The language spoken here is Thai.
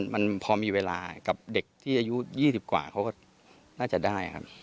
มันพอมีเวลากับเด็กที่อายุ๒๐กว่าเขาก็น่าจะได้ครับ